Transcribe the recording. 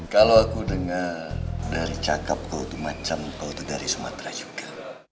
kalau aku dengar dari cakap kau itu macam kau itu dari sumatera juga